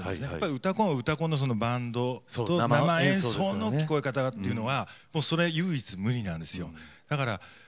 「うたコン」は「うたコン」のバンドの生演奏の聞こえ方というのが唯一無二なんです。